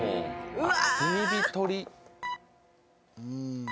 うわ！